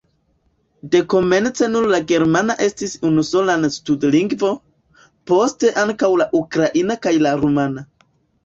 Dekomence nur la germana estis unusola stud-lingvo, poste ankaŭ la ukraina kaj la rumana.